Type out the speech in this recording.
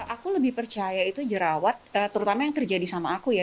aku lebih percaya itu jerawat terutama yang terjadi sama aku ya